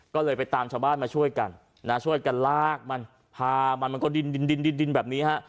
ก็เลยไปตามชาวบ้านมาช่วยกันนะช่วยกันลากมันพามันมันก็ดินดินแบบนี้ฮะ